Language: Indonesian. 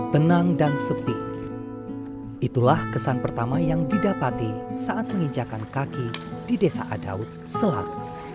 tenang dan sepi itulah kesan pertama yang didapati saat menginjakan kaki di desa adaud selat